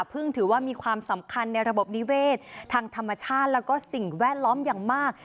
ถือว่ามีความสำคัญในระบบนิเวศทางธรรมชาติแล้วก็สิ่งแวดล้อมอย่างมาก